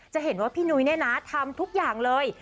จะเห็นว่าพี่นุ้ยเนี่ยนะทำทุกอย่างเลย